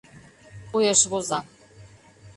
Уэш воза.